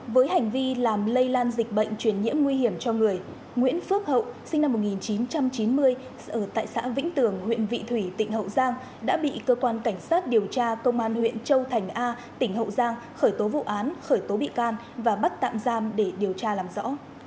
với hành vi làm lây lan dịch bệnh truyền nhiễm nguy hiểm cho người nguyễn phước hậu sinh năm một nghìn chín trăm chín mươi ở tại xã vĩnh tường huyện vị thủy tỉnh hậu giang đã bị cơ quan cảnh sát điều tra công an huyện châu thành a tỉnh hậu giang khởi tố vụ án khởi tố bị can và bắt tạm giam để điều tra làm rõ